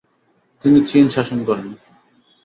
তিনি চীন শাসন করেন।